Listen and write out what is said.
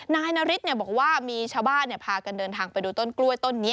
นายนาริสบอกว่ามีชาวบ้านพากันเดินทางไปดูต้นกล้วยต้นนี้